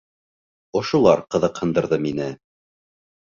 Ошолар ҡыҙыҡһындырҙы мине.